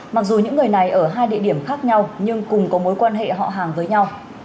mặc dù những người này ở hai địa điểm khác nhau nhưng cùng có mối quan hệ họ hàng với nhau